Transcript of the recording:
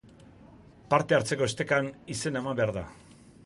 Parte hartzeko estekan izena eman behar da.